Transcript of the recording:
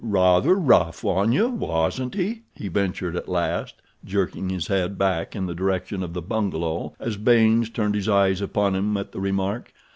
"Rather rough on you, wasn't he?" he ventured at last, jerking his head back in the direction of the bungalow as Baynes turned his eyes upon him at the remark.